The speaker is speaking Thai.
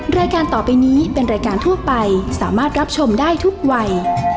รายการต่อไปนี้เป็นรายการทั่วไปสามารถรับชมได้ทุกวัย